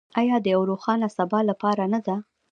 آیا د یو روښانه سبا لپاره نه ده؟